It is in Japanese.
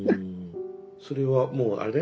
それはもうあれ？